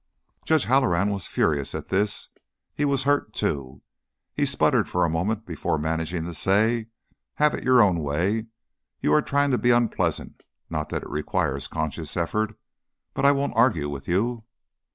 Judge Halloran was furious at this; he was hurt, too. He sputtered for a moment before managing to say: "Have it your own way. You are trying to be unpleasant not that it requires conscious effort but I won't argue with you."